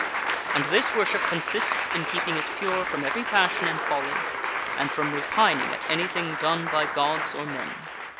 And this worship consists in keeping it pure from every passion and folly, and from repining at anything done by Gods or men.